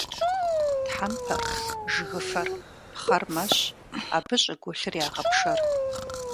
Тхьэмпэр, жыгыфэр, пхъэр мэщ, абы щӀыгулъыр ягъэпшэр.